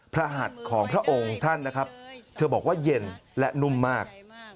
หัดของพระองค์ท่านนะครับเธอบอกว่าเย็นและนุ่มมาก